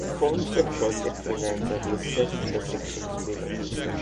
Forms of project finance are listed in the sections below.